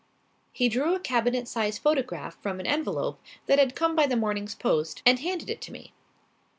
He drew a cabinet size photograph from an envelope that had come by the morning's post and handed it to me.